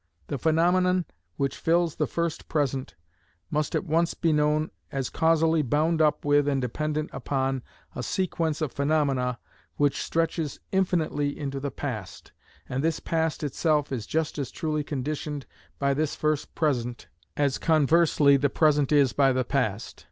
The phenomenon which fills the first present must at once be known as causally bound up with and dependent upon a sequence of phenomena which stretches infinitely into the past, and this past itself is just as truly conditioned by this first present, as conversely the present is by the past.